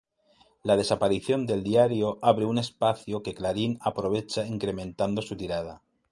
La desaparición del diario abre un espacio que "Clarín" aprovecha incrementando su tirada.